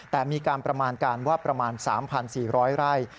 แต่มีการประมาณการว่าประมาณ๓๔๐๐ไร่